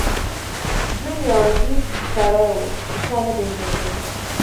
جون یو عجیب سړی و چې چا نه پېژانده